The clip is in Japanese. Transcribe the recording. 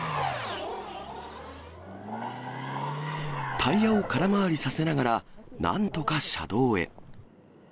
タイヤを空回りさせながら、なんとか車道へ。